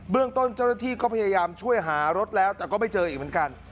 เรื่องต้นเจ้าหน้าที่ก็พยายามช่วยหารถแล้วแต่ก็ไม่เจออีกเหมือนกัน